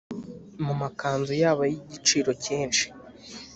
mu makanzu yabo y’igiciro cyinshi